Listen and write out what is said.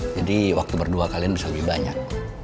jadi waktu berdua kalian bisa lebih banyak